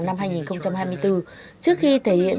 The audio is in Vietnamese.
năm hai nghìn hai mươi bốn trước khi thể hiện